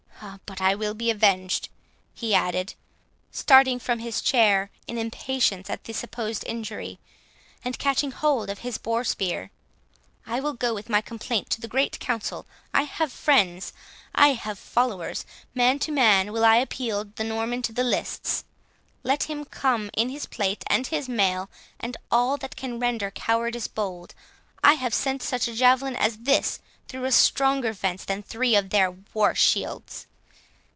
But I will be avenged," he added, starting from his chair in impatience at the supposed injury, and catching hold of his boar spear; "I will go with my complaint to the great council; I have friends, I have followers—man to man will I appeal the Norman to the lists; let him come in his plate and his mail, and all that can render cowardice bold; I have sent such a javelin as this through a stronger fence than three of their war shields!